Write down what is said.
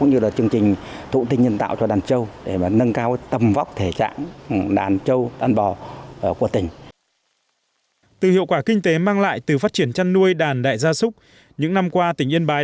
những năm qua tỉnh yên bài đã có nhiều nông thôn